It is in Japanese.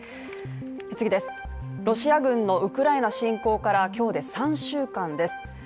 ロシア軍のウクライナ侵攻から今日で３週間です。